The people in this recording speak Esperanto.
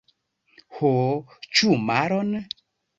Ho, ĉu maron?